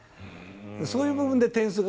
そういう部分で点数が。